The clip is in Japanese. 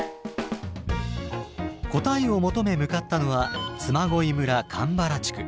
答えを求め向かったのは嬬恋村鎌原地区。